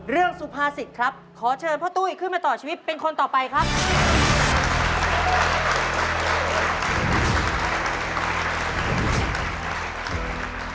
สุภาษิตครับขอเชิญพ่อตุ้ยขึ้นมาต่อชีวิตเป็นคนต่อไปครับ